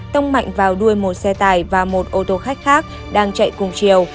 tông mạnh vào đuôi một xe tải và một ô tô khách khác đang chạy cùng chiều